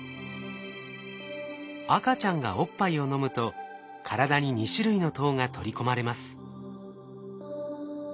赤ちゃんがおっぱいを飲むと体に２種類の糖が取り込まれます。